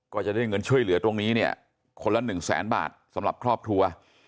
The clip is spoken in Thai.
ก็จะได้เงินช่วยเหลือตรงนี้เนี่ยคนละหนึ่งแสนบาทสำหรับครอบครัว